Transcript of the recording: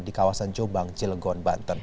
di kawasan jombang cilegon banten